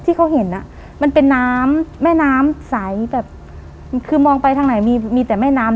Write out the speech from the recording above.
ที่เขาเห็นอ่ะมันเป็นน้ำแม่น้ำใสแบบคือมองไปทางไหนมีมีแต่แม่น้ำ